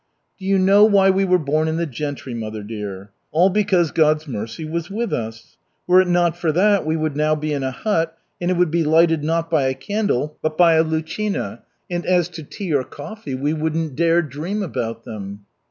"Do you know why we were born in the gentry, mother dear? All because God's mercy was with us. Were it not for that we would now be in a hut and it would be lighted not by a candle but by a luchina and as to tea or coffee, we wouldn't dare dream about them.